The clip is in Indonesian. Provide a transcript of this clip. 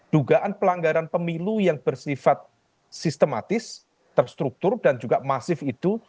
dugaan pelanggaran pemilu yang bersifat sistematis terstruktur dan juga masif itu